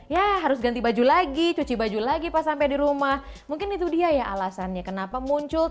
ya harus ganti baju lagi cuci baju lagi pas sampai di rumah mungkin itu dia ya alasannya kenapa muncul